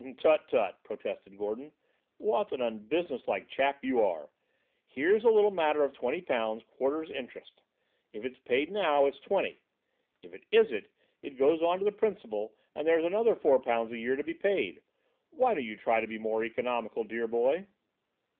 "Tut, tut," protested Gordon, "what an unbusinesslike chap you are! Here's a little matter of twenty pounds quarter's interest. If it's paid now, it's twenty. If it isn't, it goes on to the principal and there's another four pounds a year to be paid. Why don't you try to be more economical, dear boy?"